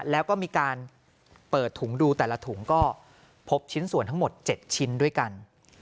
แล้วก็มีการเปิดถุงดูแต่ละถุงก็พบชิ้นส่วนทั้งหมด๗ชิ้นด้วยกัน